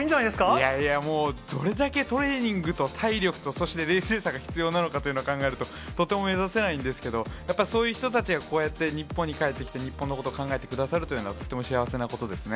いやいや、もうどれだけトレーニングと体力と、そして冷静さが必要なのかということを考えると、とても目指せないんですけど、やっぱそういう人たちがこうやって日本に帰ってきて、日本のことを考えてくださるというのは、とても幸せなことですね。